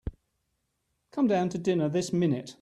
Come down to dinner this minute.